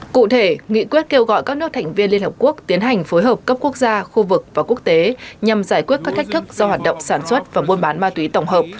cụ thể nghị quyết kêu gọi các nước thành viên liên hợp quốc tiến hành phối hợp cấp quốc gia khu vực và quốc tế nhằm giải quyết các thách thức do hoạt động sản xuất và buôn bán ma túy tổng hợp